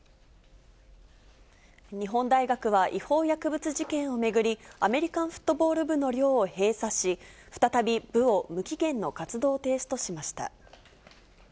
日本大学は違法薬物事件を巡り、アメリカンフットボール部の寮を閉鎖し、再び部を無期限の活動停止としました。